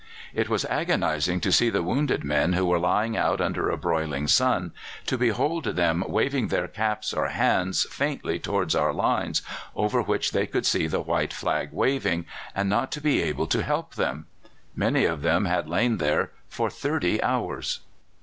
It was agonizing to see the wounded men who were lying out under a broiling sun, to behold them waving their caps or hands faintly towards our lines, over which they could see the white flag waving, and not to be able to help them. Many of them had lain there for thirty hours.